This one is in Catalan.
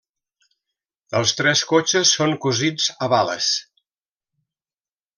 Els tres cotxes són cosits a bales.